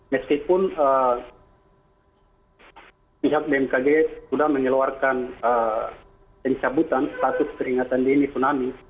meskipun pihak bmkg sudah menyeluruhkan yang cabutan status teringatan dini tsunami